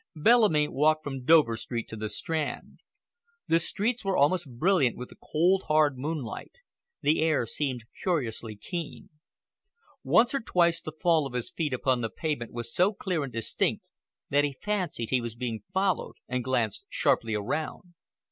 Bellamy walked from Dover Street to the Strand. The streets were almost brilliant with the cold, hard moonlight. The air seemed curiously keen. Once or twice the fall of his feet upon the pavement was so clear and distinct that he fancied he was being followed and glanced sharply around.